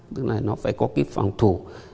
tức là nó phải có cái phòng thủ